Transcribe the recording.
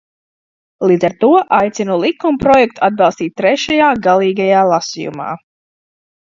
Līdz ar to aicinu likumprojektu atbalstīt trešajā, galīgajā, lasījumā.